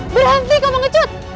berhenti kau mengecut